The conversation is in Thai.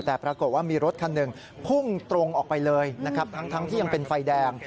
แต่ปรากฏว่ามีรถคันหนึ่งพุ่งตรงออกไปเลยนะครับทั้งที่ยังเป็นไฟแดง